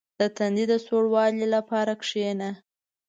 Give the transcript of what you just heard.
• د تندي د سوړوالي لپاره کښېنه.